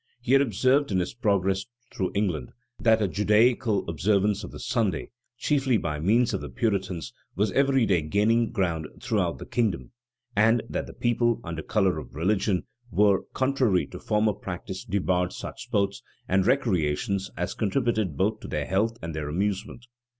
He had observed, in his progress through England, that a Judaical observance of the Sunday, chiefly by means of the Puritans, was every day gaining ground throughout the kingdom; and that the people, under color of religion, were, contrary to former practice debarred such sports, and recreations as contributed both to their health and their amusement.